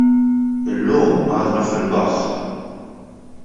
Illum għadna fil-baħħ.